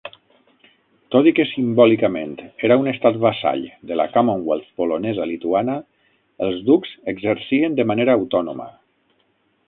Tot i que simbòlicament era un estat vassall de la Commonwealth polonesa lituana, els ducs exercien de manera autònoma.